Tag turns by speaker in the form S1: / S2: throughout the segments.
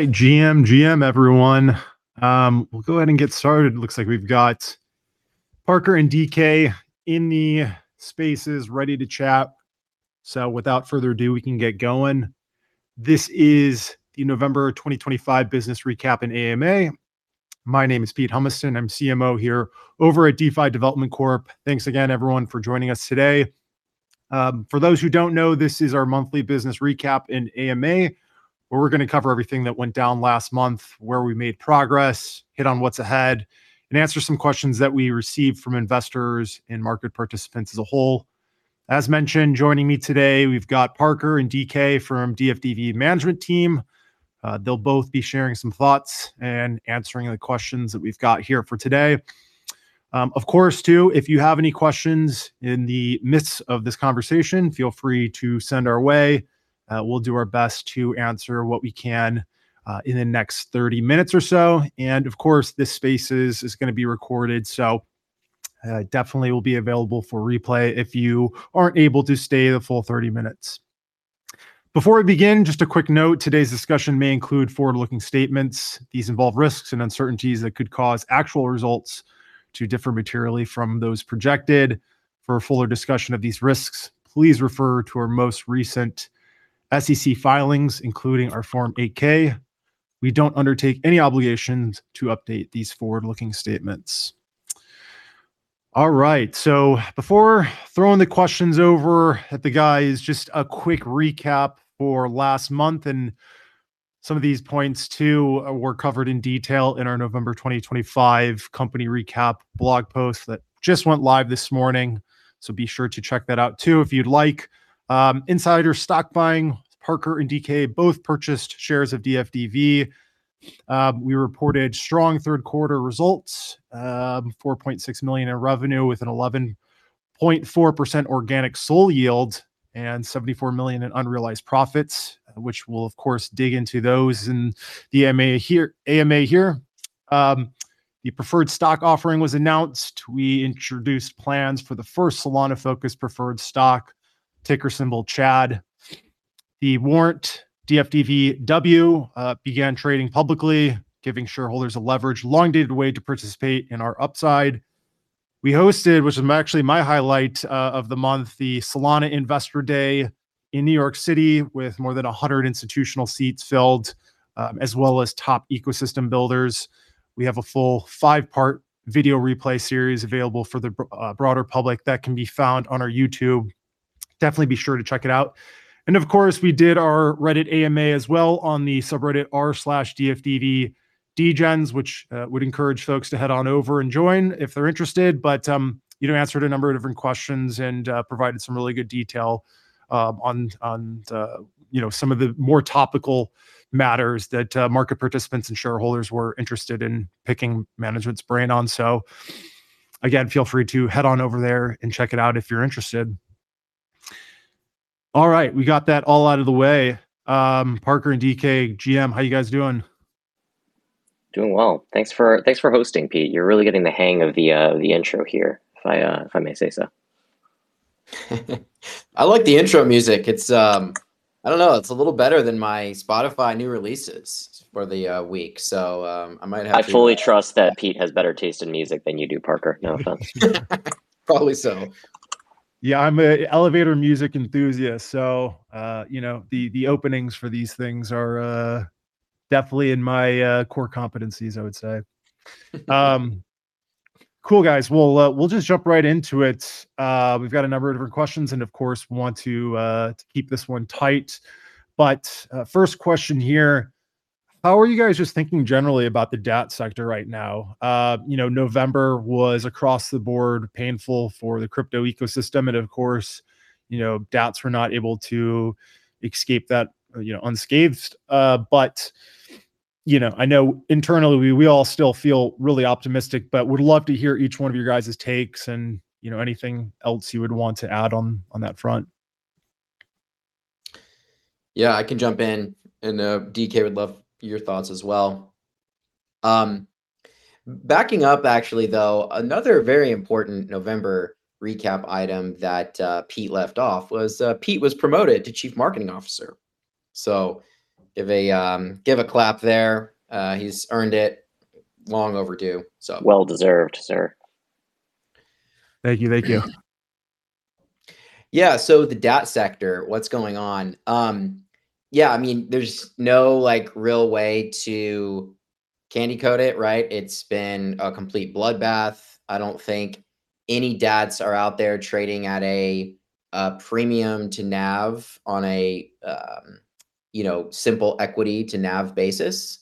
S1: All right, GM, GM everyone. We'll go ahead and get started. Looks like we've got Parker and DK in the Spaces ready to chat. So, without further ado, we can get going. This is the November 2025 Business Recap & AMA. My name is Pete Humiston. I'm CMO here over at DeFi Development Corp. Thanks again, everyone, for joining us today. For those who don't know, this is our monthly business recap & AMA, where we're going to cover everything that went down last month, where we made progress, hit on what's ahead, and answer some questions that we received from investors and market participants as a whole. As mentioned, joining me today, we've got Parker and DK from Sol Strategies Management Team. They'll both be sharing some thoughts and answering the questions that we've got here for today. Of course, too, if you have any questions in the midst of this conversation, feel free to send our way. We'll do our best to answer what we can, in the next 30 minutes or so. And of course, this Space is going to be recorded, so, definitely will be available for replay if you aren't able to stay the full 30 minutes. Before we begin, just a quick note: today's discussion may include forward-looking statements. These involve risks and uncertainties that could cause actual results to differ materially from those projected. For a fuller discussion of these risks, please refer to our most recent SEC filings, including our Form 8-K. We don't undertake any obligations to update these forward-looking statements. All right, so before throwing the questions over at the guys, just a quick recap for last month. Some of these points, too, were covered in detail in our November 2025 Company Recap blog post that just went live this morning. So be sure to check that out, too, if you'd like. Insider stock buying: Parker and DK both purchased shares of Sol Strategies. We reported strong third-quarter results, $4.6 million in revenue with an 11.4% organic SOL yield and $74 million in unrealized profits, which we'll, of course, dig into those in the AMA here. The preferred stock offering was announced. We introduced plans for the first Solana-focused preferred stock, ticker symbol CHAD. The warrant Sol StrategiesW began trading publicly, giving shareholders a leveraged, long-dated way to participate in our upside. We hosted, which is actually my highlight of the month, the Solana Investor Day in New York City, with more than 100 institutional seats filled, as well as top ecosystem builders. We have a full five-part video replay series available for the broader public that can be found on our YouTube. Definitely be sure to check it out, and of course, we did our Reddit AMA as well on the subreddit r/Sol StrategiesDegens, which would encourage folks to head on over and join if they're interested. But you know, answered a number of different questions and provided some really good detail on you know, some of the more topical matters that market participants and shareholders were interested in picking management's brain on. So again, feel free to head on over there and check it out if you're interested. All right, we got that all out of the way. Parker and DK. GM, how are you guys doing?
S2: Doing well. Thanks for hosting, Pete. You're really getting the hang of the intro here, if I may say so.
S3: I like the intro music. It's, I don't know, it's a little better than my Spotify new releases for the week. So, I might have to.
S2: I fully trust that Pete has better taste in music than you do, Parker. No offense.
S3: Probably so.
S1: Yeah, I'm an elevator music enthusiast, so you know, the openings for these things are definitely in my core competencies, I would say. Cool, guys, well, we'll just jump right into it. We've got a number of different questions, and of course, we want to keep this one tight, but first question here: How are you guys just thinking generally about the DAT sector right now? You know, November was across the board painful for the crypto ecosystem, and of course, you know, DATs were not able to escape that, you know, unscathed, but you know, I know internally we all still feel really optimistic, but would love to hear each one of your guys' takes and, you know, anything else you would want to add on that front.
S3: Yeah, I can jump in, and DK would love your thoughts as well. Backing up, actually, though, another very important November recap item that Pete left off was, Pete was promoted to Chief Marketing Officer. So give a clap there. He's earned it long overdue, so.
S2: Well deserved, sir.
S4: Thank you. Thank you.
S3: Yeah, so the DAT sector, what's going on? Yeah, I mean, there's no, like, real way to candy coat it, right? It's been a complete bloodbath. I don't think any DATs are out there trading at a premium to NAV on a, you know, simple equity to NAV basis.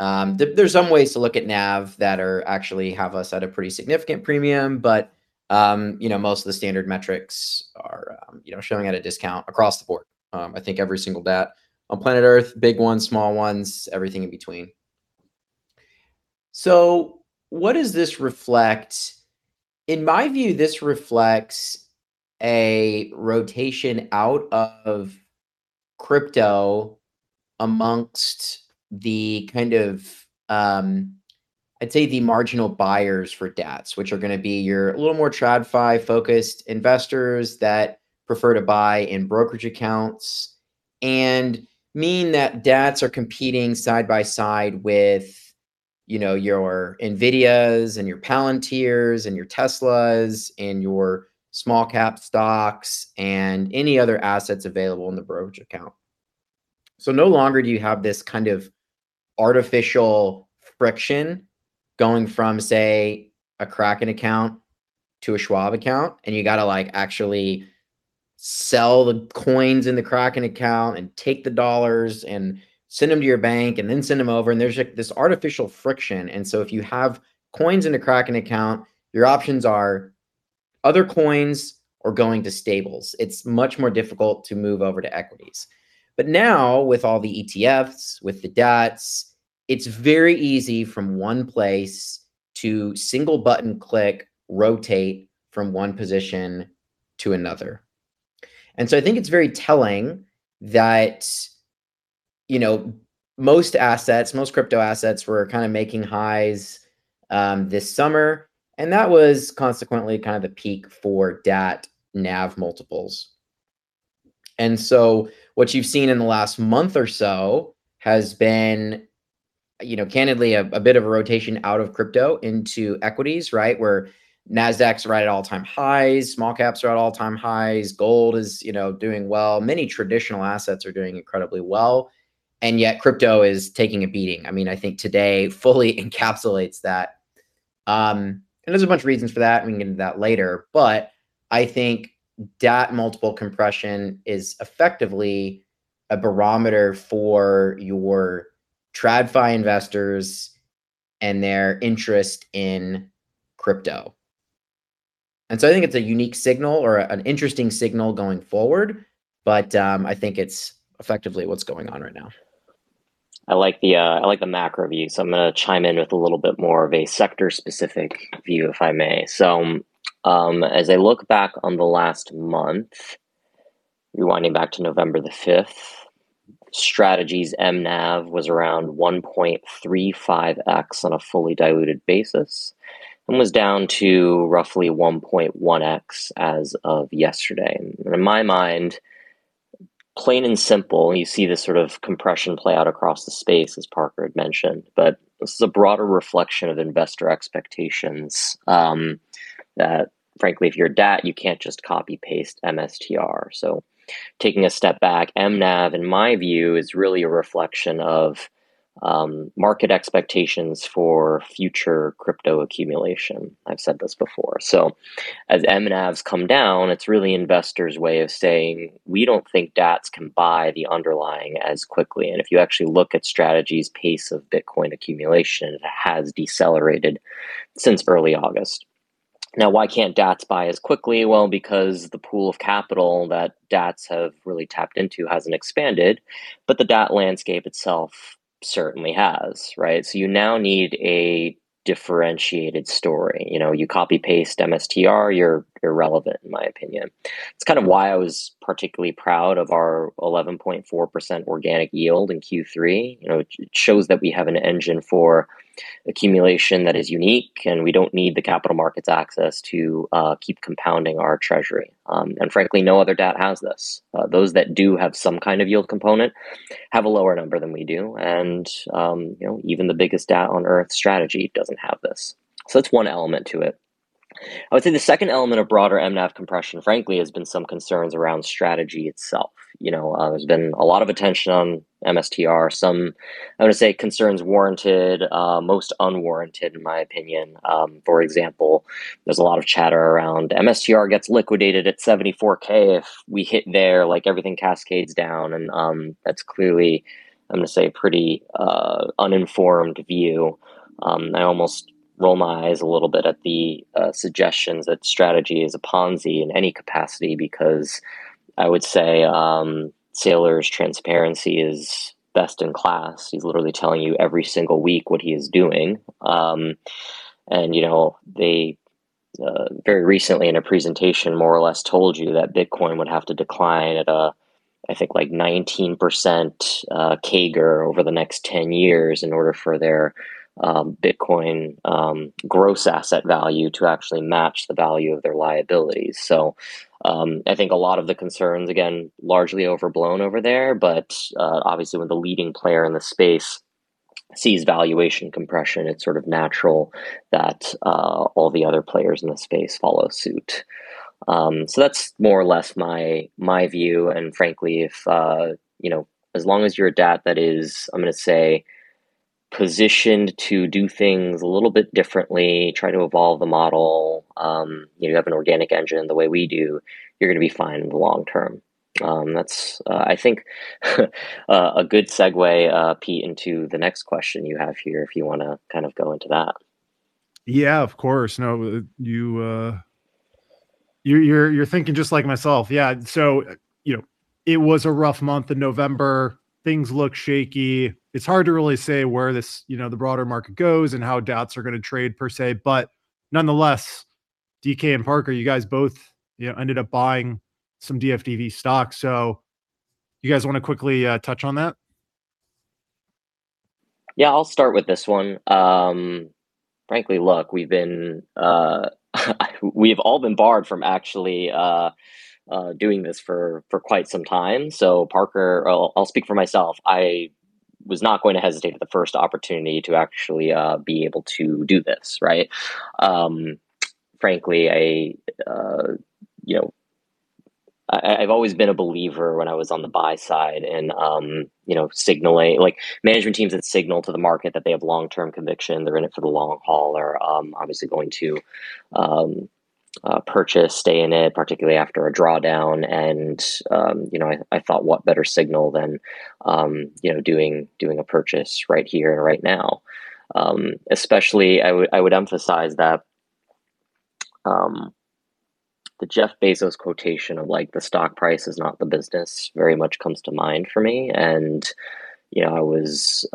S3: There, there's some ways to look at NAV that actually have us at a pretty significant premium, but, you know, most of the standard metrics are, you know, showing at a discount across the board. I think every single DAT on planet Earth, big ones, small ones, everything in between. So what does this reflect? In my view, this reflects a rotation out of crypto among the kind of, I'd say the marginal buyers for DATs, which are going to be your a little more TradFi-focused investors that prefer to buy in brokerage accounts, and mean that DATs are competing side by side with, you know, your NVIDIAs and your Palantirs and your Teslas and your small-cap stocks and any other assets available in the brokerage account, so no longer do you have this kind of artificial friction going from, say, a Kraken account to a Schwab account, and you got to, like, actually sell the coins in the Kraken account and take the dollars and send them to your bank and then send them over, and there's like this artificial friction, and so if you have coins in a Kraken account, your options are other coins or going to stables. It's much more difficult to move over to equities. But now, with all the ETFs, with the DATs, it's very easy from one place to single-button click, rotate from one position to another. I think it's very telling that, you know, most assets, most crypto assets were kind of making highs, this summer, and that was consequently kind of the peak for DAT-NAV multiples. And so what you've seen in the last month or so has been, you know, candidly, a bit of a rotation out of crypto into equities, right? Where Nasdaq's right at all-time highs, small caps are at all-time highs, gold is, you know, doing well, many traditional assets are doing incredibly well, and yet crypto is taking a beating. I mean, I think today fully encapsulates that, and there's a bunch of reasons for that, and we can get into that later. But I think DAT multiple compression is effectively a barometer for your TradFi investors and their interest in crypto. And so I think it's a unique signal or an interesting signal going forward, but I think it's effectively what's going on right now.
S2: I like the macro view. I'm going to chime in with a little bit more of a sector-specific view, if I may. So, as I look back on the last month, rewinding back to November the 5th, Microstrategy's mNAV was around 1.35x on a fully diluted basis and was down to roughly 1.1x as of yesterday. And in my mind, plain and simple, you see this sort of compression play out across the Space, as Parker had mentioned. But this is a broader reflection of investor expectations, that frankly, if you're a DAT, you can't just copy-paste MSTR. So taking a step back, mNAV, in my view, is really a reflection of market expectations for future crypto accumulation. I've said this before. As mNAVs come down, it's really investors' way of saying, "We don't think DATs can buy the underlying as quickly." And if you actually look at Microstrategy's pace of Bitcoin accumulation, it has decelerated since early August. Now, why can't DATs buy as quickly? Well, because the pool of capital that DATs have really tapped into hasn't expanded, but the DAT landscape itself certainly has, right? So you now need a differentiated story. You know, you copy-paste MSTR, you're irrelevant, in my opinion. It's kind of why I was particularly proud of our 11.4% organic yield in Q3. You know, it shows that we have an engine for accumulation that is unique, and we don't need the capital markets' access to keep compounding our treasury. And frankly, no other DAT has this. Those that do have some kind of yield component have a lower number than we do. You know, even the biggest DAT on Earth Microstrategy doesn't have this. That's one element to it. I would say the second element of broader mNAV compression, frankly, has been some concerns around Microstrategy itself. You know, there's been a lot of attention on MSTR. Some, I'm going to say, concerns warranted, most unwarranted, in my opinion. For example, there's a lot of chatter around MSTR gets liquidated at $74,000 if we hit there, like everything cascades down. That's clearly, I'm going to say, a pretty, uninformed view. I almost roll my eyes a little bit at the suggestions that Microstrategy is a Ponzi in any capacity because I would say, Saylor's transparency is best in class. He's literally telling you every single week what he is doing. You know, they very recently in a presentation more or less told you that Bitcoin would have to decline at a, I think, like 19% CAGR over the next 10 years in order for their Bitcoin gross asset value to actually match the value of their liabilities. I think a lot of the concerns, again, largely overblown over there, but, obviously, when the leading player in the Space sees valuation compression, it's sort of natural that, all the other players in the Space follow suit. So that's more or less my, my view. And frankly, if, you know, as long as you're a DAT that is, I'm going to say, positioned to do things a little bit differently, try to evolve the model, you know, you have an organic engine the way we do, you're going to be fine in the long term. That's, I think, a good segue, Pete, into the next question you have here, if you want to kind of go into that.
S4: Yeah, of course. No, you're thinking just like myself. Yeah. So, you know, it was a rough month in November. Things look shaky. It's hard to really say where this, you know, the broader market goes and how DATs are going to trade per se. But nonetheless, DK and Parker, you guys both, you know, ended up buying some Sol Strategies stock. So you guys want to quickly touch on that?
S2: Yeah, I'll start with this one. Frankly, look, we've been, we have all been barred from actually doing this for quite some time. Parker, I'll speak for myself. I was not going to hesitate at the first opportunity to actually be able to do this, right? Frankly, I, you know, I've always been a believer when I was on the buy side and, you know, signaling like management teams that signal to the market that they have long-term conviction, they're in it for the long haul, or obviously going to purchase, stay in it, particularly after a drawdown. And, you know, I thought, what better signal than you know, doing a purchase right here and right now. Especially, I would emphasize that the Jeff Bezos quotation of like, the stock price is not the business very much comes to mind for me. You know, I was,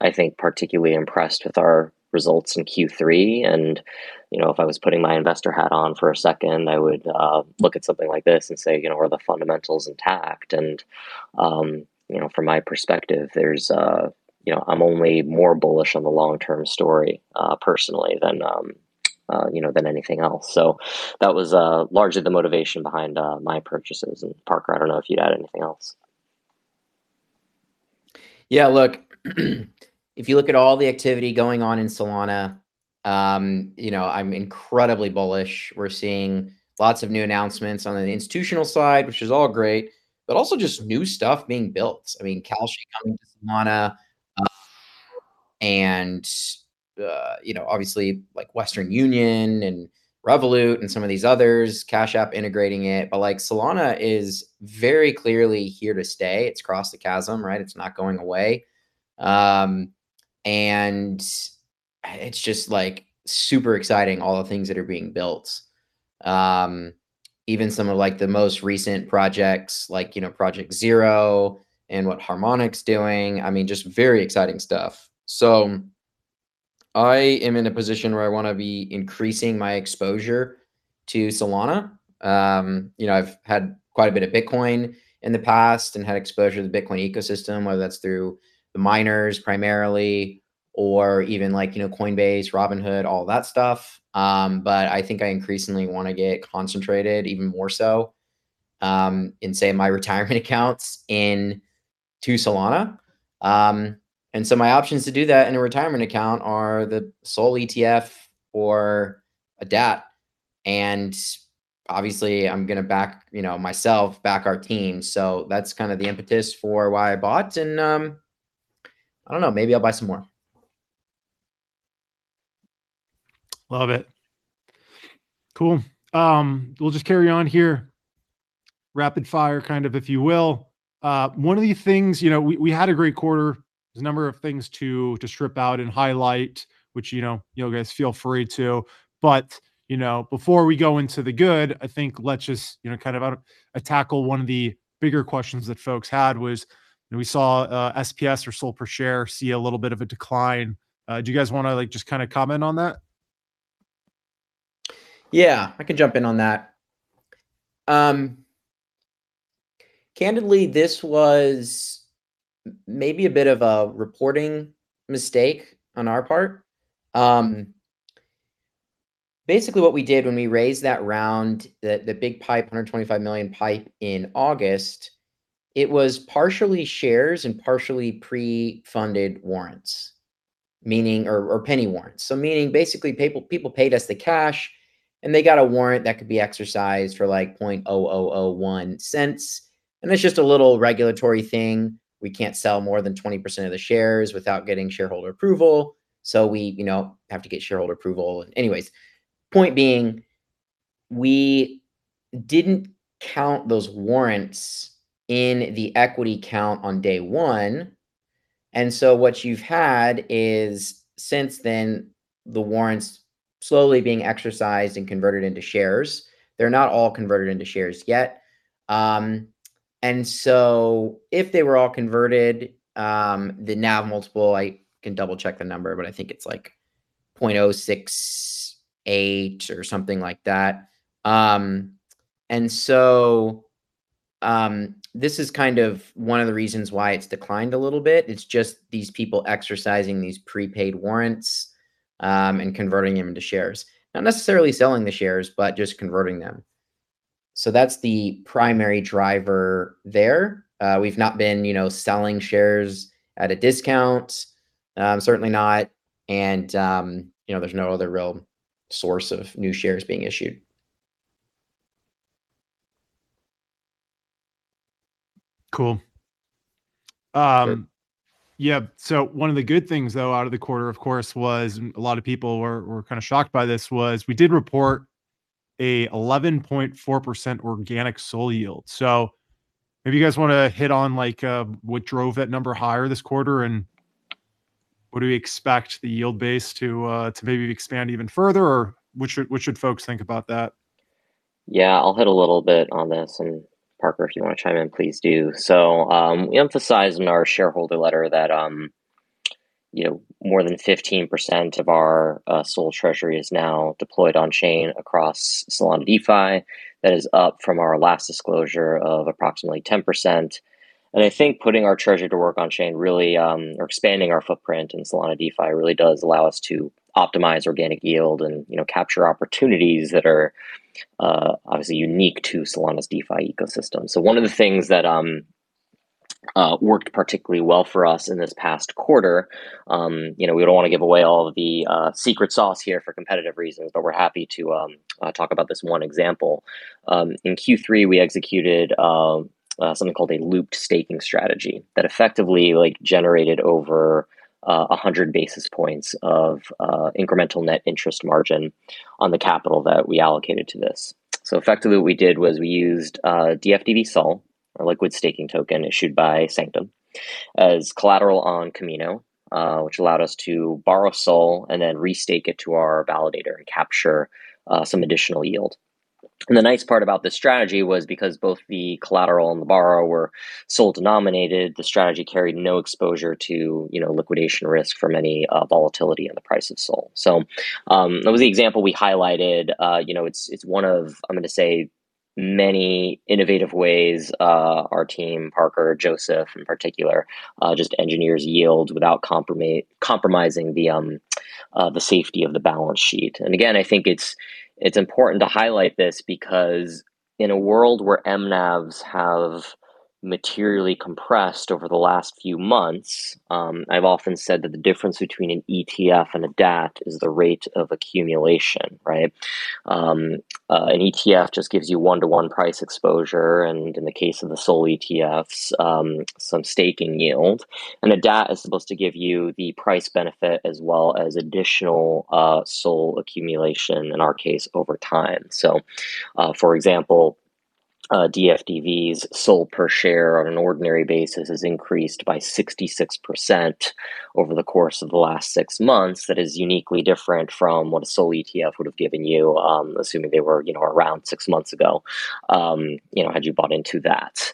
S2: I think, particularly impressed with our results in Q3. You know, if I was putting my investor hat on for a second, I would look at something like this and say, you know, are the fundamentals intact? You know, from my perspective, there's, you know, I'm only more bullish on the long-term story, personally than, you know, than anything else. So that was largely the motivation behind my purchases. Parker, I don't know if you'd add anything else.
S3: Yeah, look, if you look at all the activity going on in Solana, you know, I'm incredibly bullish. We're seeing lots of new announcements on the institutional side, which is all great, but also just new stuff being built. I mean, Cash App, Solana, and, you know, obviously, like Western Union and Revolut and some of these others, Cash App App integrating it. But, like, Solana is very clearly here to stay. It's crossed the chasm, right? It's not going away. And it's just, like, super exciting, all the things that are being built. Even some of, like, the most recent projects, like, you know, Project Zero and what Harmonic is doing. I mean, just very exciting stuff. I am in a position where I want to be increasing my exposure to Solana. You know, I've had quite a bit of Bitcoin in the past and had exposure to the Bitcoin ecosystem, whether that's through the miners primarily or even, like, you know, Coinbase, Robinhood, all that stuff. I think I increasingly want to get concentrated even more so, in, say, my retirement accounts, into Solana, and so my options to do that in a retirement account are the SOL ETF or a DAT. Obviously, I'm going to back, you know, myself, back our team. So that's kind of the impetus for why I bought. And, I don't know, maybe I'll buy some more.
S1: Love it. Cool. We'll just carry on here. Rapid fire, kind of, if you will. One of the things, you know, we had a great quarter. There's a number of things to strip out and highlight, which, you know, you guys feel free to. But, you know, before we go into the good, I think let's just, you know, kind of, tackle one of the bigger questions that folks had was, you know, we saw SOL per share or SOL per share see a little bit of a decline. Do you guys want to, like, just kind of comment on that?
S3: Yeah, I can jump in on that. Candidly, this was maybe a bit of a reporting mistake on our part. Basically, what we did when we raised that round, the big PIPE, $125 million PIPE in August, it was partially shares and partially pre-funded warrants, meaning, or penny warrants. So meaning basically people paid us the Cash App and they got a warrant that could be exercised for like $0.0001. And that's just a little regulatory thing. We can't sell more than 20% of the shares without getting shareholder approval. We, you know, have to get shareholder approval. Anyways, point being, we didn't count those warrants in the equity count on day one. And so what you've had is since then the warrants slowly being exercised and converted into shares. They're not all converted into shares yet. And so if they were all converted, the NAV multiple. I can double-check the number, but I think it's like $0.068 or something like that. And so, this is kind of one of the reasons why it's declined a little bit. It's just these people exercising these penny warrants, and converting them into shares. Not necessarily selling the shares, but just converting them. That's the primary driver there. We've not been, you know, selling shares at a discount. Certainly not. And, you know, there's no other real source of new shares being issued.
S1: Cool. One of the good things though, out of the quarter, of course, was a lot of people were kind of shocked by this: we did report an 11.4% organic SOL yield. So maybe you guys want to hit on like, what drove that number higher this quarter and what do we expect the yield base to maybe expand even further or what should folks think about that?
S2: Yeah, I'll hit a little bit on this and Parker, if you want to chime in, please do. So, we emphasized in our shareholder letter that, you know, more than 15% of our SOL treasury is now deployed on-chain across Solana DeFi. That is up from our last disclosure of approximately 10%. And I think putting our treasury to work on-chain really, or expanding our footprint in Solana DeFi really does allow us to optimize organic yield and, you know, capture opportunities that are, obviously unique to Solana's DeFi ecosystem. One of the things that, worked particularly well for us in this past quarter, you know, we don't want to give away all of the, secret sauce here for competitive reasons, but we're happy to, talk about this one example. In Q3, we executed something called a looped staking Microstrategy that effectively, like, generated over 100 basis points of incremental net interest margin on the capital that we allocated to this. Effectively what we did was we used Sol Strategies SOL, our liquid staking token issued by Sanctum, as collateral on Kamino, which allowed us to borrow SOL and then restake it to our validator and capture some additional yield. The nice part about this Microstrategy was because both the collateral and the borrow were SOL denominated, the Microstrategy carried no exposure to, you know, liquidation risk from any volatility in the price of SOL. That was the example we highlighted. You know, it's one of, I'm going to say, many innovative ways our team, Parker, Joseph in particular, just engineers yield without compromising the safety of the balance sheet. Again, I think it's important to highlight this because in a world where mNAVs have materially compressed over the last few months, I've often said that the difference between an ETF and a DAT is the rate of accumulation, right? An ETF just gives you one-to-one price exposure and in the case of the SOL ETFs, some staking yield. A DAT is supposed to give you the price benefit as well as additional SOL accumulation in our case over time. For example, Sol Strategies's SOL per share on an ordinary basis has increased by 66% over the course of the last six months. That is uniquely different from what a SOL ETF would have given you, assuming they were, you know, around six months ago, you know, had you bought into that.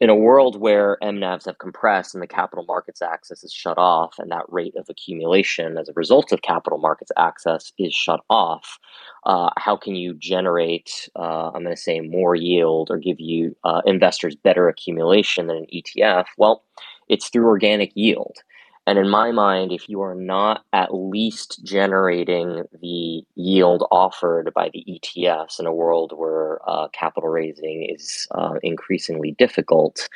S2: In a world where mNAVs have compressed and the capital markets access is shut off and that rate of accumulation as a result of capital markets access is shut off, how can you generate, I'm going to say more yield or give you, investors better accumulation than an ETF? Well, it's through organic yield. And in my mind, if you are not at least generating the yield offered by the ETFs in a world where, capital raising is, increasingly difficult,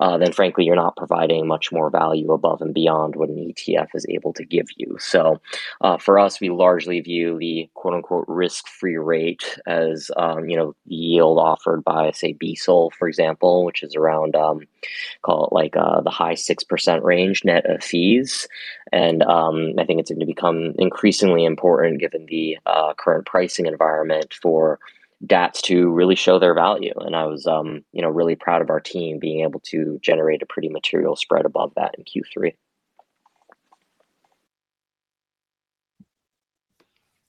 S2: then frankly, you're not providing much more value above and beyond what an ETF is able to give you. So, for us, we largely view the quote unquote risk-free rate as, you know, the yield offered by, say, bSOL, for example, which is around, call it like, the high 6% range net of fees. I think it's going to become increasingly important given the current pricing environment for DATs to really show their value. I was, you know, really proud of our team being able to generate a pretty material spread above that in Q3.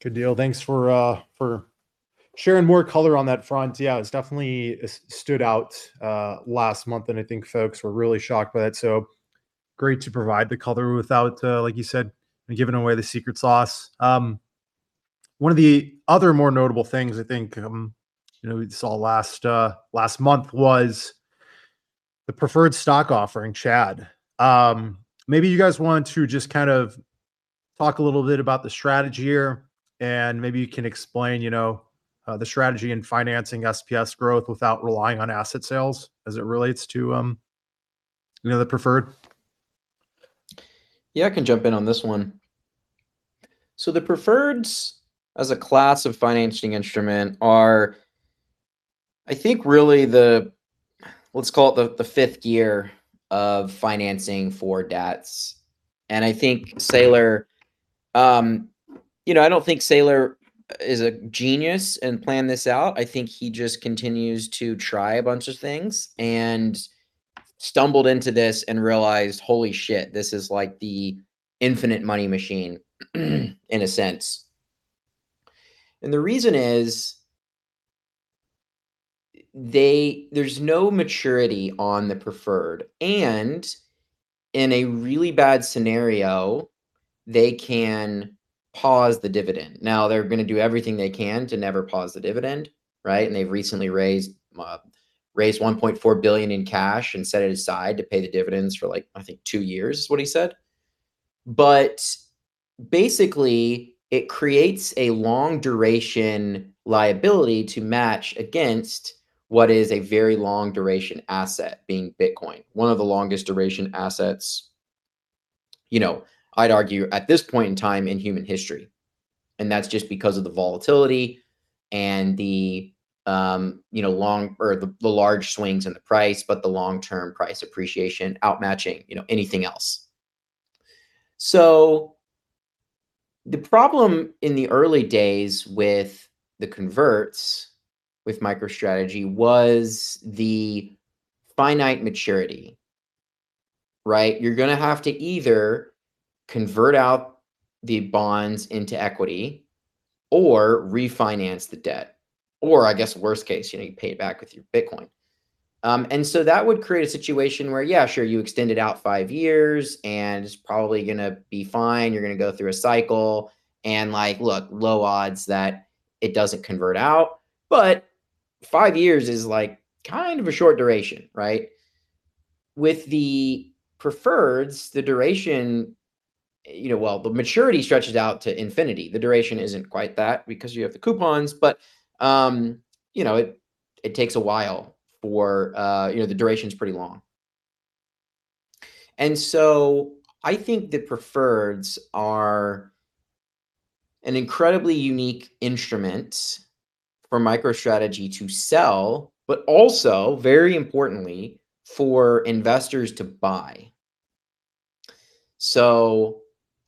S1: Good deal. Thanks for sharing more color on that front. Yeah, it's definitely stood out last month and I think folks were really shocked by that. Great to provide the color without, like you said, giving away the secret sauce. One of the other more notable things I think, you know, we saw last month was the preferred stock offering, CHAD. Maybe you guys want to just kind of talk a little bit about the Microstrategy here and maybe you can explain, you know, the Microstrategy in financing SOL per share growth without relying on asset sales as it relates to, you know, the preferred.
S3: Yeah, I can jump in on this one. So the preferreds as a class of financing instrument are, I think really the, let's call it the fifth gear of financing for DATs. And I think Saylor, you know, I don't think Saylor is a genius and planned this out. I think he just continues to try a bunch of things and stumbled into this and realized, holy shit, this is like the infinite money machine in a sense. And the reason is they, there's no maturity on the preferred. And in a really bad scenario, they can pause the dividend. Now they're going to do everything they can to never pause the dividend, right? And they've recently raised $1.4 billion in Cash App and set it aside to pay the dividends for like, I think two years is what he said. But basically it creates a long duration liability to match against what is a very long duration asset being Bitcoin, one of the longest duration assets, you know. I'd argue at this point in time in human history. And that's just because of the volatility and the, you know, large swings in the price, but the long-term price appreciation outmatching, you know, anything else. The problem in the early days with the converts, with MicroMicrostrategy was the finite maturity, right? You're going to have to either convert out the bonds into equity or refinance the debt or I guess worst case, you know, you pay it back with your Bitcoin, and so that would create a situation where, yeah, sure, you extend it out five years and it's probably going to be fine. You're going to go through a cycle and like, look, low odds that it doesn't convert out, but five years is like kind of a short duration, right? With the preferreds, the duration, you know, well, the maturity stretches out to infinity. The duration isn't quite that because you have the coupons, but, you know, it takes a while for, you know, the duration's pretty long, and so I think the preferreds are an incredibly unique instrument for MicroMicrostrategy to sell, but also very importantly for investors to buy.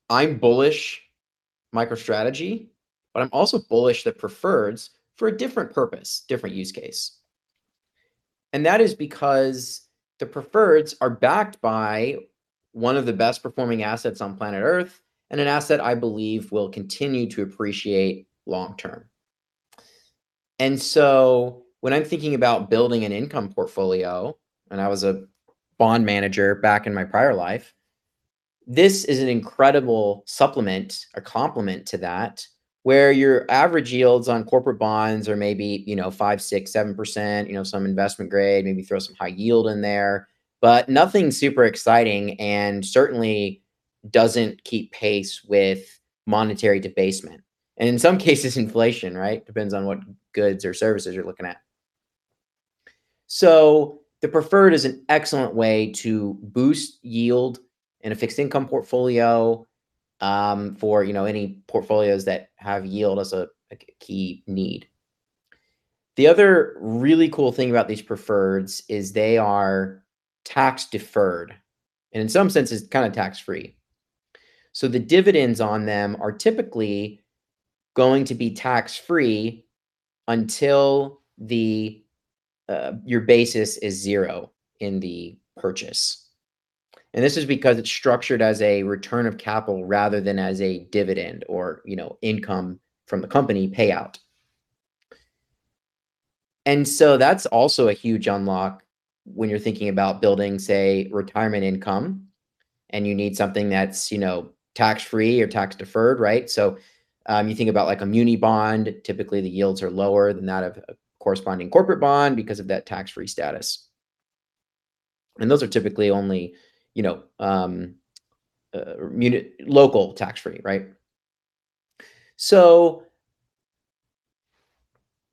S3: I'm bullish MicroMicrostrategy, but I'm also bullish the preferreds for a different purpose, different use case, and that is because the preferreds are backed by one of the best performing assets on planet Earth and an asset I believe will continue to appreciate long term. And so when I'm thinking about building an income portfolio and I was a bond manager back in my prior life, this is an incredible supplement, a complement to that where your average yields on corporate bonds are maybe, you know, 5%, 6%, 7%, you know, some investment grade, maybe throw some high yield in there, but nothing super exciting and certainly doesn't keep pace with monetary debasement. And in some cases, inflation, right? Depends on what goods or services you're looking at. So the preferred is an excellent way to boost yield in a fixed income portfolio, for, you know, any portfolios that have yield as a key need. The other really cool thing about these preferreds is they are tax-deferred and in some senses kind of tax-free. The dividends on them are typically going to be tax-free until the, your basis is zero in the purchase. This is because it's structured as a return of capital rather than as a dividend or, you know, income from the company payout. That's also a huge unlock when you're thinking about building, say, retirement income and you need something that's, you know, tax-free or tax-deferred, right? You think about like a muni bond, typically the yields are lower than that of a corresponding corporate bond because of that tax-free status. Those are typically only, you know, local tax-free, right?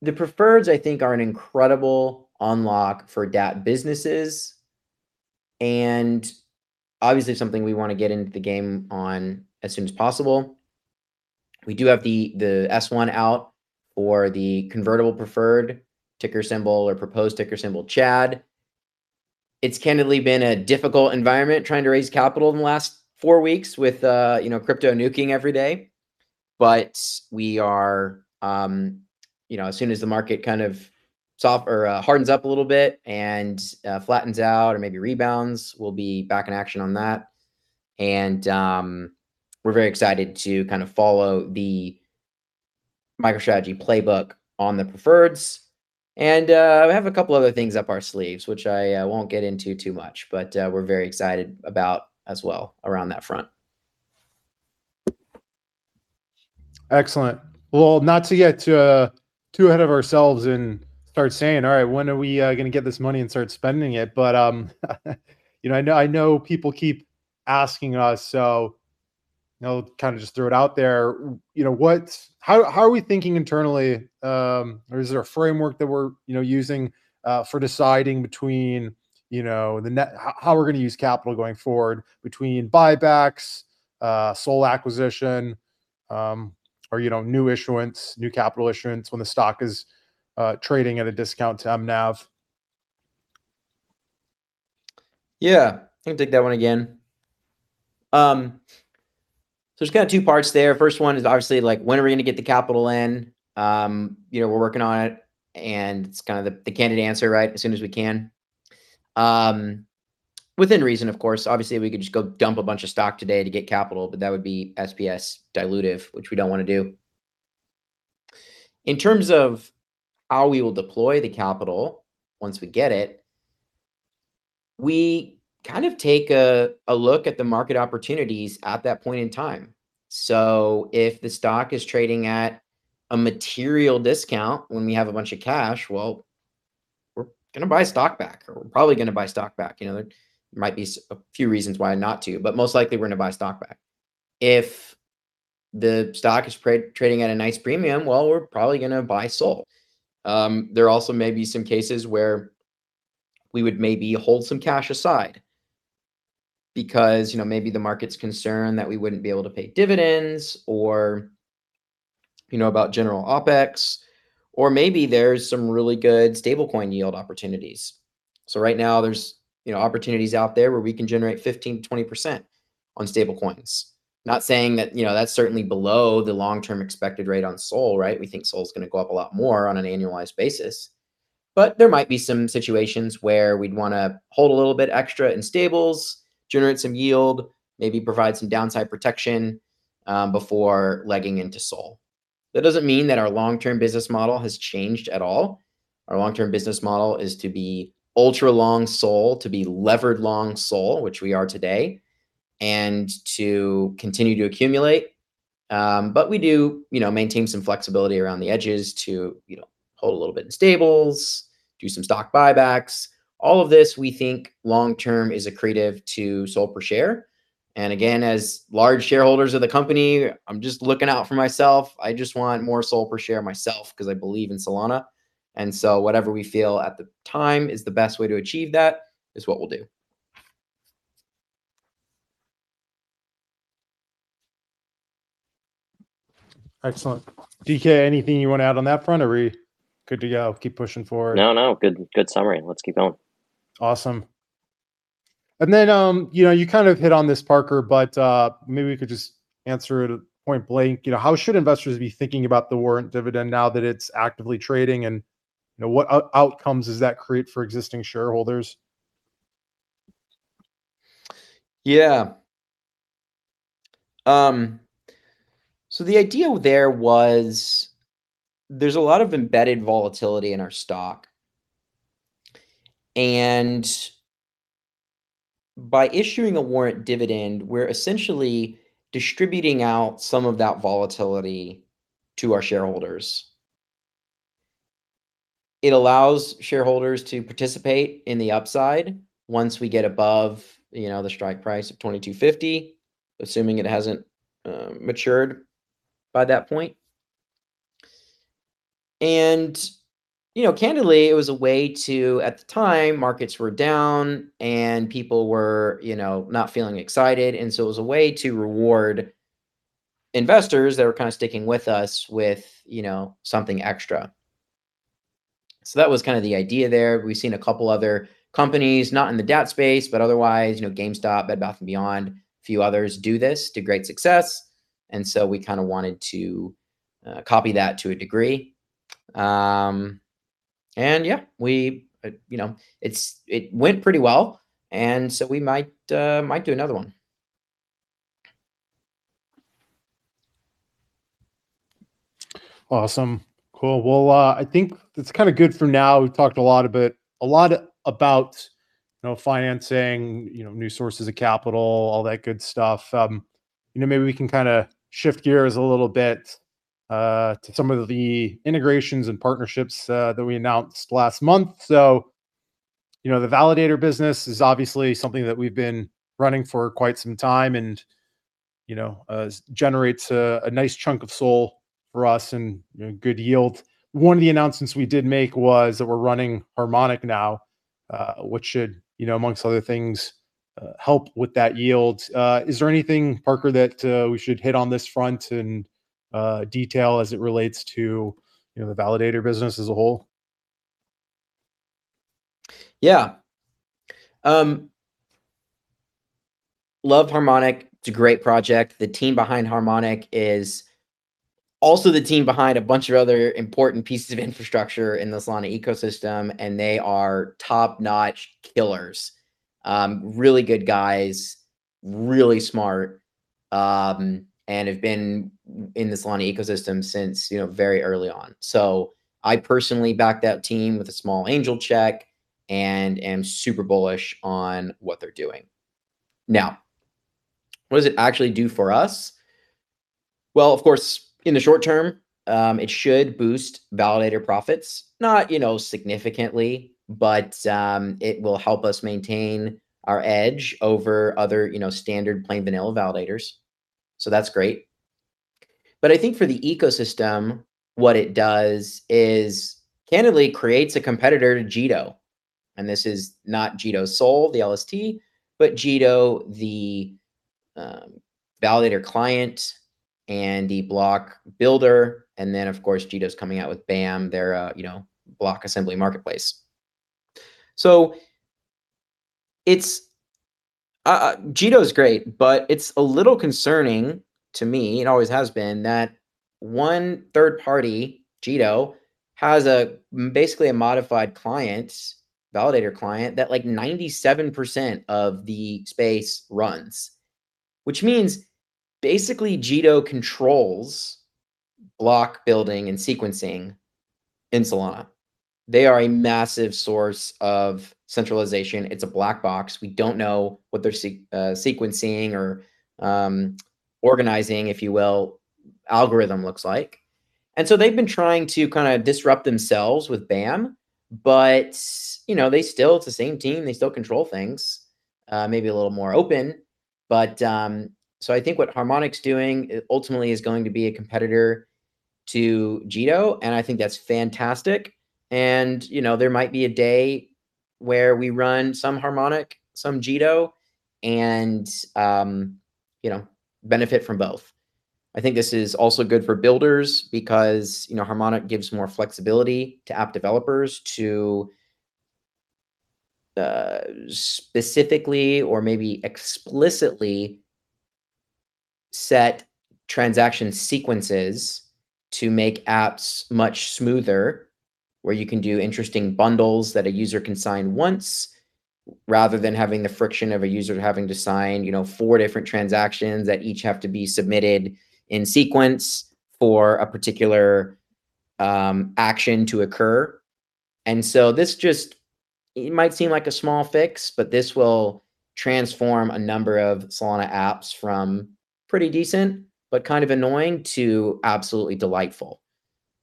S3: The preferreds I think are an incredible unlock for DAT businesses and obviously something we want to get into the game on as soon as possible. We do have the S-1 out or the convertible preferred ticker symbol or proposed ticker symbol, CHAD. It's candidly been a difficult environment trying to raise capital in the last four weeks with, you know, crypto nuking every day. But we are, you know, as soon as the market kind of softens or hardens up a little bit and flattens out or maybe rebounds, we'll be back in action on that. And we're very excited to kind of follow the MicroMicrostrategy playbook on the preferreds. And we have a couple of other things up our sleeves, which I won't get into too much, but we're very excited about as well around that front.
S1: Excellent. Well, not to get too ahead of ourselves and start saying, all right, when are we going to get this money and start spending it? But, you know, I know, I know people keep asking us, so I'll kind of just throw it out there. You know, what, how are we thinking internally? Or is there a framework that we're, you know, using for deciding between, you know, then how we're going to use capital going forward between buybacks, SOL acquisition, or, you know, new issuance, new capital issuance when the stock is trading at a discount to mNAV?
S3: Yeah, I can take that one again. There's kind of two parts there. First one is obviously like when are we going to get the capital in? You know, we're working on it and it's kind of the candid answer, right? As soon as we can. Within reason, of course. Obviously we could just go dump a bunch of stock today to get capital, but that would be SOL per share dilutive, which we don't want to do. In terms of how we will deploy the capital once we get it, we kind of take a look at the market opportunities at that point in time. So if the stock is trading at a material discount when we have a bunch of Cash App, well, we're going to buy a stock back or we're probably going to buy a stock back. You know, there might be a few reasons why not to, but most likely we're going to buy a stock back. If the stock is trading at a nice premium, well, we're probably going to buy a SOL. There also may be some cases where we would maybe hold some Cash App aside because, you know, maybe the market's concerned that we wouldn't be able to pay dividends or, you know, about general OpEx or maybe there's some really good stablecoin yield opportunities. So right now there's, you know, opportunities out there where we can generate 15%, 20% on stablecoins. Not saying that, you know, that's certainly below the long-term expected rate on SOL, right? We think SOL's going to go up a lot more on an annualized basis, but there might be some situations where we'd want to hold a little bit extra in stables, generate some yield, maybe provide some downside protection, before legging into SOL. That doesn't mean that our long-term business model has changed at all. Our long-term business model is to be ultra long SOL, to be levered long SOL, which we are today and to continue to accumulate. But we do, you know, maintain some flexibility around the edges to, you know, hold a little bit in stables, do some stock buybacks. All of this we think long-term is accretive to SOL per share. And again, as large shareholders of the company, I'm just looking out for myself. I just want more SOL per share myself because I believe in Solana. Whatever we feel at the time is the best way to achieve that is what we'll do.
S1: Excellent. DK, anything you want to add on that front or we good to go? Keep pushing forward?
S2: No, no. Good, good summary. Let's keep going.
S1: Awesome. And then, you know, you kind of hit on this Parker, but, maybe we could just answer it point blank. You know, how should investors be thinking about the warrant dividend now that it's actively trading and, you know, what outcomes does that create for existing shareholders?
S3: Yeah. The idea there was there's a lot of embedded volatility in our stock. And by issuing a warrant dividend, we're essentially distributing out some of that volatility to our shareholders. It allows shareholders to participate in the upside once we get above, you know, the strike price of $22.50, assuming it hasn't matured by that point. And, you know, candidly, it was a way to, at the time, markets were down and people were, you know, not feeling excited. And so it was a way to reward investors that were kind of sticking with us with, you know, something extra. So that was kind of the idea there. We've seen a couple other companies, not in the DAT Space, but otherwise, you know, GameStop, Bed Bath & Beyond, a few others do this to great success. And so we kind of wanted to copy that to a degree. Yeah, we, you know, it went pretty well, and so we might do another one.
S1: Awesome. Cool. Well, I think it's kind of good for now. We've talked a lot of it, a lot about, you know, financing, you know, new sources of capital, all that good stuff. You know, maybe we can kind of shift gears a little bit, to some of the integrations and partnerships, that we announced last month. So, you know, the validator business is obviously something that we've been running for quite some time and, you know, generates a nice chunk of SOL for us and, you know, good yield. One of the announcements we did make was that we're running Harmonic now, which should, you know, among other things, help with that yield. Is there anything, Parker, that, we should hit on this front and, detail as it relates to, you know, the validator business as a whole?
S3: Yeah. Love Harmonic. It's a great project. The team behind Harmonic is also the team behind a bunch of other important pieces of infrastructure in the Solana ecosystem, and they are top-notch killers. They are really good guys, really smart, and have been in the Solana ecosystem since, you know, very early on. I personally back that team with a small angel check and am super bullish on what they're doing. Now, what does it actually do for us? Well, of course, in the short term, it should boost validator profits, not, you know, significantly, but it will help us maintain our edge over other, you know, standard plain vanilla validators. So that's great, but I think for the ecosystem, what it does is candidly creates a competitor to Jito, and this is not JitoSOL, the LST, but Jito, the validator client and the block builder. Of course, Jito's coming out with BAM, their, you know, block assembly marketplace. It's Jito's great, but it's a little concerning to me. It always has been that one third party, Jito, has basically a modified client, validator client that like 97% of the Space runs, which means basically Jito controls block building and sequencing in Solana. They are a massive source of centralization. It's a black box. We don't know what they're sequencing or organizing, if you will, algorithm looks like. They've been trying to kind of disrupt themselves with BAM, but, you know, they still, it's the same team. They still control things, maybe a little more open, but I think what Harmonic's doing ultimately is going to be a competitor to Jito, and I think that's fantastic. You know, there might be a day where we run some Harmonic, some Jito, and, you know, benefit from both. I think this is also good for builders because, you know, Harmonic gives more flexibility to app developers to, specifically or maybe explicitly set transaction sequences to make apps much smoother where you can do interesting bundles that a user can sign once rather than having the friction of a user having to sign, you know, four different transactions that each have to be submitted in sequence for a particular action to occur. And so this just, it might seem like a small fix, but this will transform a number of Solana apps from pretty decent, but kind of annoying to absolutely delightful.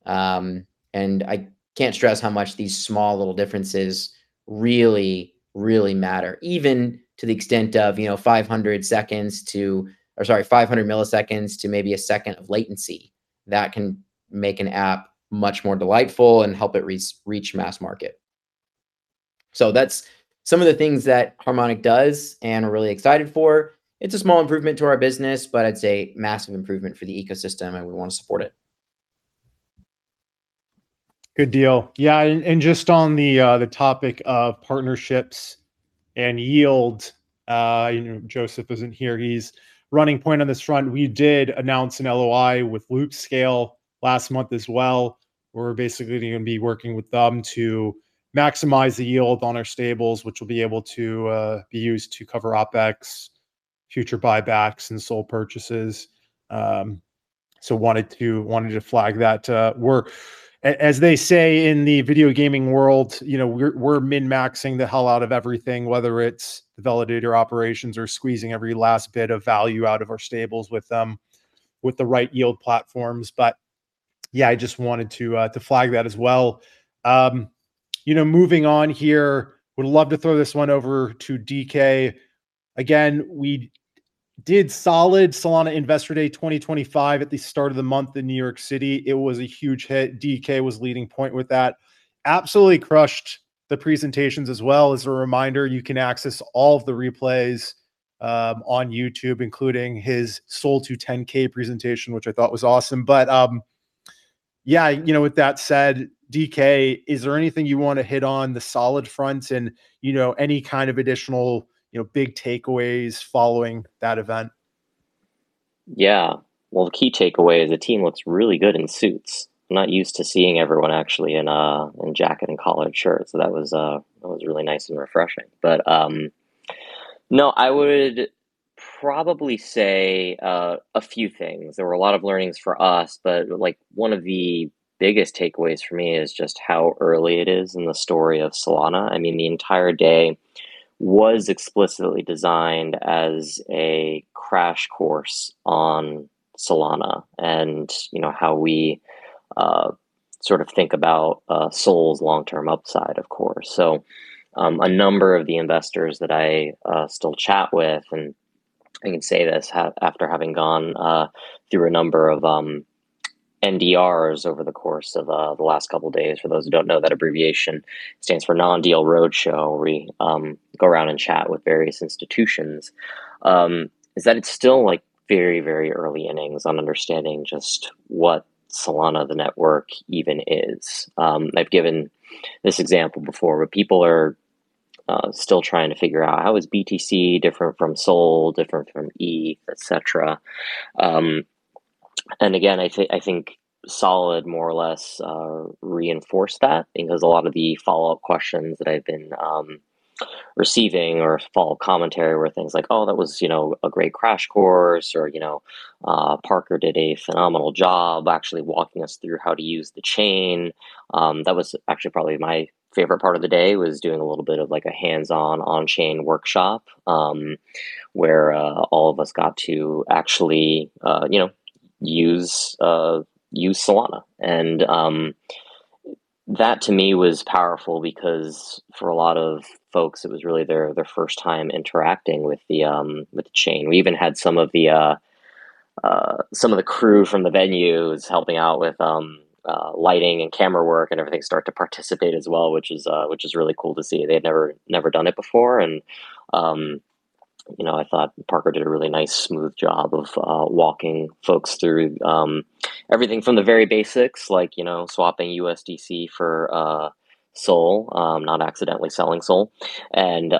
S3: I can't stress how much these small little differences really, really matter, even to the extent of, you know, 500 seconds to, -- or sorry, 500 milliseconds to maybe a second of latency that can make an app much more delightful and help it reach, reach mass market. So that's some of the things that Harmonic does and we're really excited for. It's a small improvement to our business, but I'd say massive improvement for the ecosystem and we want to support it.
S1: Good deal. Yeah. And just on the topic of partnerships and yield, you know, Joseph isn't here. He's running point on this front. We did announce an LOI with Loopscale last month as well. We're basically going to be working with them to maximize the yield on our stables, which will be able to be used to cover OpEx, future buybacks, and SOL purchases. So wanted to flag that work. As they say in the video gaming world, you know, we're min-maxing the hell out of everything, whether it's the validator operations or squeezing every last bit of value out of our stables with them, with the right yield platforms. But yeah, I just wanted to flag that as well. You know, moving on here, would love to throw this one over to DK. Again, we did solid Solana Investor Day 2025 at the start of the month in New York City. It was a huge hit. DK was leading point with that. Absolutely crushed the presentations as well. As a reminder, you can access all of the replays on YouTube, including his SOL to $10,000 presentation, which I thought was awesome. But, yeah, you know, with that said, DK, is there anything you want to hit on the Solana front and, you know, any kind of additional, you know, big takeaways following that event?
S2: Yeah. The key takeaway is the team looks really good in suits. I'm not used to seeing everyone actually in jacket and collared shirts. So that was really nice and refreshing. I would probably say a few things. There were a lot of learnings for us, but like one of the biggest takeaways for me is just how early it is in the story of Solana. I mean, the entire day was explicitly designed as a crash course on Solana and, you know, how we sort of think about SOL's long-term upside, of course. So, a number of the investors that I still chat with, and I can say this after having gone through a number of NDRs over the course of the last couple of days, for those who don't know that abbreviation stands for non-deal roadshow, we go around and chat with various institutions, is that it's still like very, very early innings on understanding just what Solana, the network, even is. I've given this example before, but people are still trying to figure out how is BTC different from SOL, different from ETH, et cetera. And again, I think SOL is more or less reinforced that because a lot of the follow-up questions that I've been receiving or follow-up commentary were things like, oh, that was, you know, a great crash course or, you know, Parker did a phenomenal job actually walking us through how to use the chain. That was actually probably my favorite part of the day: doing a little bit of like a hands-on on-chain workshop, where all of us got to actually, you know, use Solana. And that to me was powerful because for a lot of folks, it was really their first time interacting with the chain. We even had some of the crew from the venues helping out with lighting and camera work and everything start to participate as well, which is really cool to see. They had never done it before. And you know, I thought Parker did a really nice smooth job of walking folks through everything from the very basics, like you know, swapping USDC for SOL, not accidentally selling SOL, and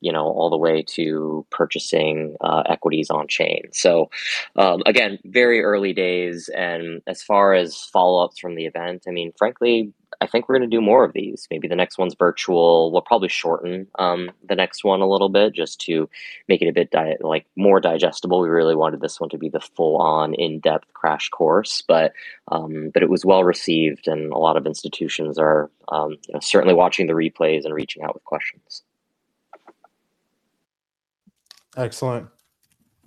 S2: you know, all the way to purchasing equities on-chain. So again, very early days. And as far as follow-ups from the event, I mean, frankly, I think we're going to do more of these. Maybe the next one's virtual. We'll probably shorten the next one a little bit just to make it a bit tight, like more digestible. We really wanted this one to be the full-on in-depth crash course, but it was well received and a lot of institutions are, you know, certainly watching the replays and reaching out with questions.
S1: Excellent.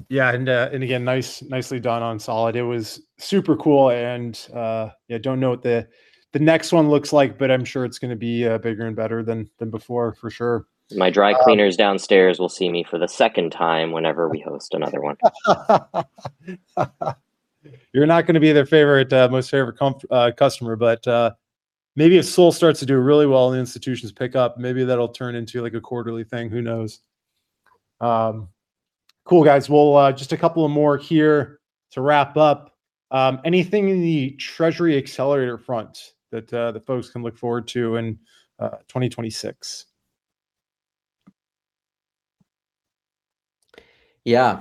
S1: Yeah. And again, nicely done on Solana. It was super cool. And, yeah, don't know what the next one looks like, but I'm sure it's going to be bigger and better than before for sure.
S2: My dry cleaners downstairs will see me for the second time whenever we host another one.
S1: You're not going to be their favorite, most favorite customer, but maybe if SOL starts to do really well and the institutions pick up, maybe that'll turn into like a quarterly thing. Who knows? Cool guys. Well, just a couple of more here to wrap up. Anything in the Treasury Accelerator front that the folks can look forward to in 2026?
S3: Yeah.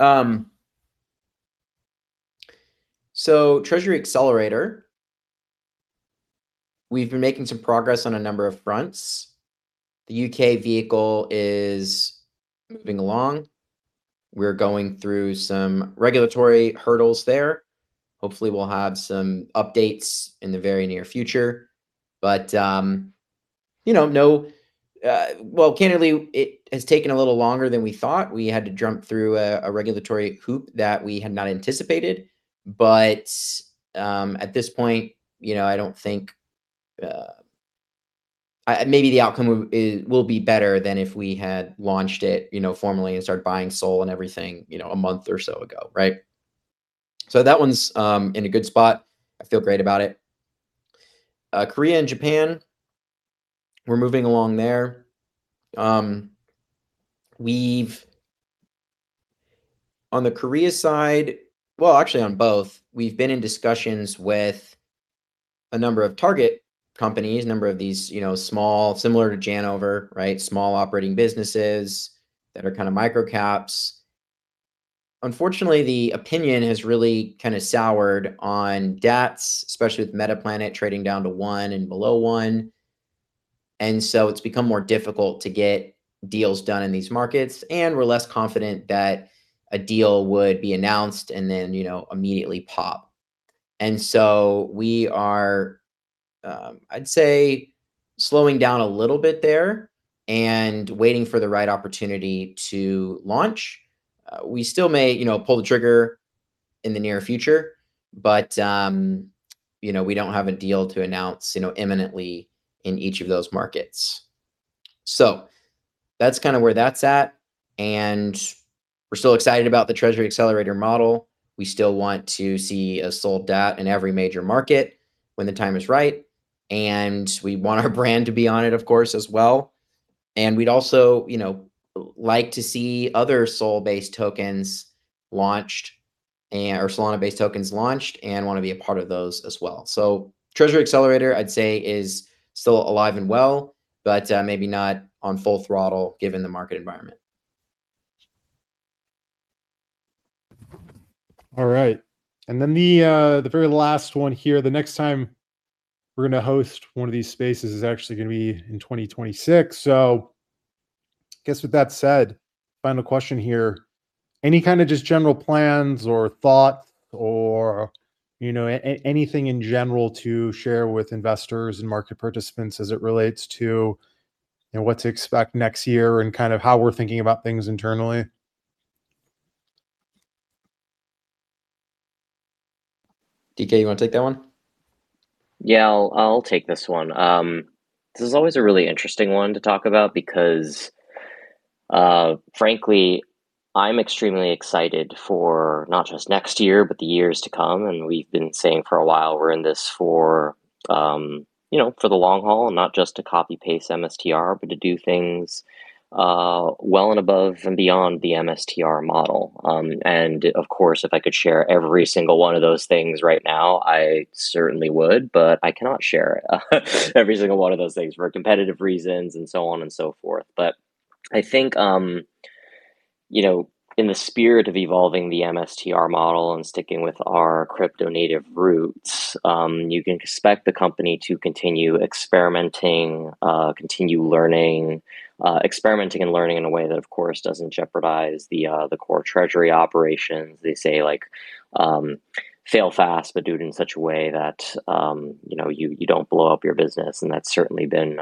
S3: Treasury Accelerator, we've been making some progress on a number of fronts. The U.K. vehicle is moving along. We're going through some regulatory hurdles there. Hopefully we'll have some updates in the very near future. But, you know, no, well, candidly, it has taken a little longer than we thought. We had to jump through a regulatory hoop that we had not anticipated. But, at this point, you know, I don't think, maybe the outcome will be better than if we had launched it, you know, formally and started buying SOL and everything, you know, a month or so ago, right? So that one's in a good spot. I feel great about it. Korea and Japan, we're moving along there. We've on the Korea side, well, actually on both, we've been in discussions with a number of target companies, a number of these, you know, small, similar to Janover, right? Small operating businesses that are kind of micro caps. Unfortunately, the opinion has really kind of soured on DATs, especially with Metaplanet trading down to 1x and below 1x. And so it's become more difficult to get deals done in these markets, and we're less confident that a deal would be announced and then, you know, immediately pop. And so we are, I'd say slowing down a little bit there and waiting for the right opportunity to launch. We still may, you know, pull the trigger in the near future, but, you know, we don't have a deal to announce, you know, imminently in each of those markets. So that's kind of where that's at. And we're still excited about the Treasury Accelerator model. We still want to see a SOL DAT in every major market when the time is right. We want our brand to be on it, of course, as well. And we'd also, you know, like to see other SOL-based tokens launched and, or Solana-based tokens launched and want to be a part of those as well. Treasury Accelerator, I'd say, is still alive and well, but, maybe not on full throttle given the market environment.
S1: All right. And then the very last one here, the next time we're going to host one of these Spaces is actually going to be in 2026. I guess with that said, final question here. Any kind of just general plans or thoughts or, you know, anything in general to share with investors and market participants as it relates to, you know, what to expect next year and kind of how we're thinking about things internally?
S3: DK, you want to take that one?
S2: Yeah, I'll take this one. This is always a really interesting one to talk about because, frankly, I'm extremely excited for not just next year, but the years to come. We've been saying for a while we're in this for, you know, for the long haul and not just to copy-paste MSTR, but to do things well and above and beyond the MSTR model. Of course, if I could share every single one of those things right now, I certainly would, but I cannot share every single one of those things for competitive reasons and so on and so forth. I think, you know, in the spirit of evolving the MSTR model and sticking with our crypto-native roots, you can expect the company to continue experimenting, continue learning, experimenting and learning in a way that, of course, doesn't jeopardize the core treasury operations. They say like, fail fast, but do it in such a way that, you know, you don't blow up your business. And that's certainly been,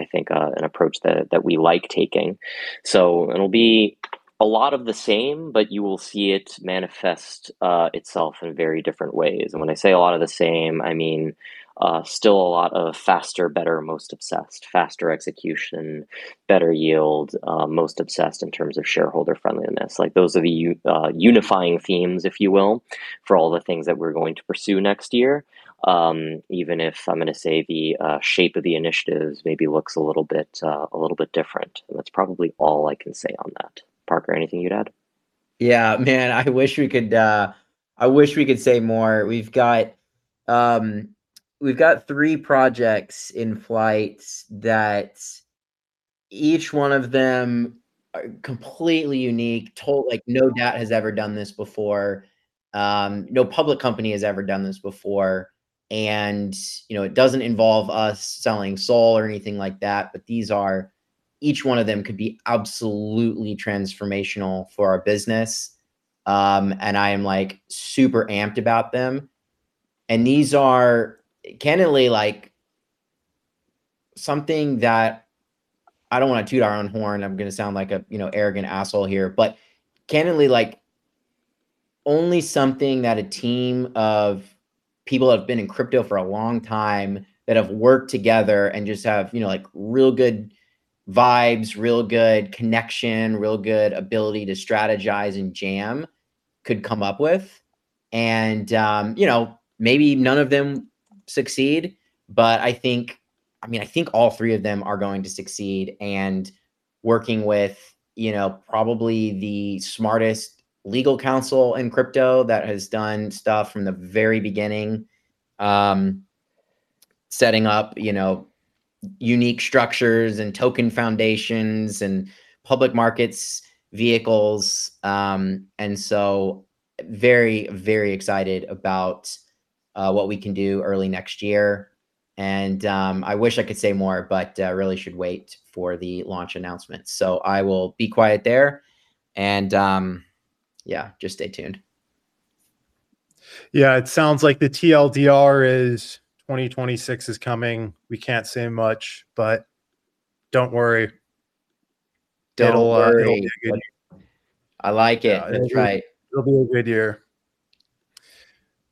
S2: I think, an approach that we like taking. So it'll be a lot of the same, but you will see it manifest itself in very different ways. And when I say a lot of the same, I mean, still a lot of faster, better, most obsessed, faster execution, better yield, most obsessed in terms of shareholder friendliness. Like those are the unifying themes, if you will, for all the things that we're going to pursue next year. Even if I'm going to say the shape of the initiatives maybe looks a little bit different. And that's probably all I can say on that. Parker, anything you'd add?
S3: Yeah, man, I wish we could, I wish we could say more. We've got, we've got three projects in flight that each one of them are completely unique, total, like no DAT has ever done this before. No public company has ever done this before. You know, it doesn't involve us selling SOL or anything like that, but these are, each one of them could be absolutely transformational for our business, and I am like super amped about them. These are candidly like something that I don't want to toot our own horn. I'm going to sound like a, you know, arrogant asshole here, but candidly like only something that a team of people who have been in crypto for a long time that have worked together and just have, you know, like real good vibes, real good connection, real good ability to strategize and jam could come up with, and you know, maybe none of them succeed, but I think, I mean, I think all three of them are going to succeed, and working with, you know, probably the smartest legal counsel in crypto that has done stuff from the very beginning, setting up, you know, unique structures and token foundations and public markets vehicles, and so very, very excited about what we can do early next year, and I wish I could say more, but really should wait for the launch announcement. So I will be quiet there and, yeah, just stay tuned.
S1: Yeah, it sounds like the TL;DR is 2026 is coming. We can't say much, but don't worry.
S3: I like it. That's right.
S1: It'll be a good year.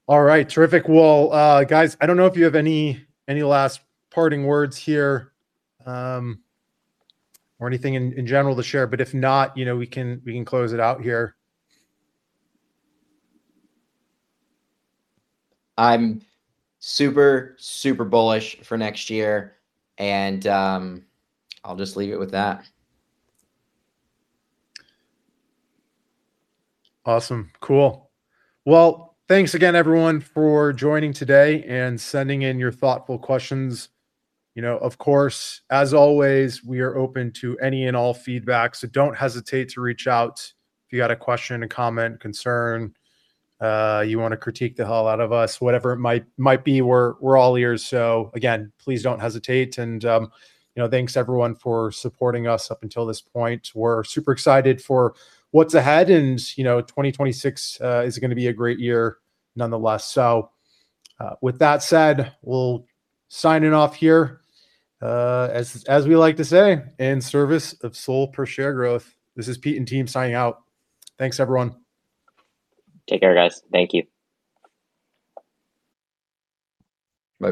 S1: All right, terrific. Well, guys, I don't know if you have any last parting words here, or anything in general to share, but if not, you know, we can close it out here.
S3: I'm super, super bullish for next year, and I'll just leave it with that.
S1: Awesome. Cool. Well, thanks again, everyone for joining today and sending in your thoughtful questions. You know, of course, as always, we are open to any and all feedback. So don't hesitate to reach out if you got a question, a comment, concern, you want to critique the hell out of us, whatever it might be, we're all ears. So again, please don't hesitate. And, you know, thanks everyone for supporting us up until this point. We're super excited for what's ahead and, you know, 2026 is going to be a great year nonetheless. So, with that said, we'll sign it off here, as we like to say, in service of SOL per share growth. This is Pete and team signing out. Thanks everyone.
S2: Take care, guys. Thank you.
S1: Bye.